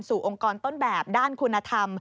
องค์กรต้นแบบด้านคุณธรรม